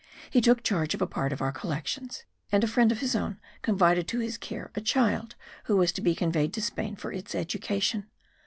He took charge of a part of our collections; and a friend of his own confided to his care a child who was to be conveyed to Spain for its education.